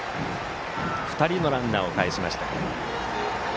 ２人のランナーをかえしました。